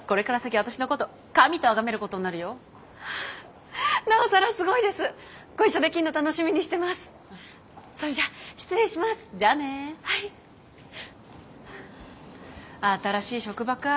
新しい職場か。